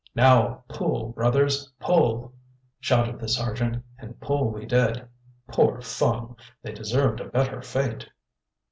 "Now, pull, brothers, pull!" shouted the Sergeant, and pull we did. Poor Fung! they deserved a better fate.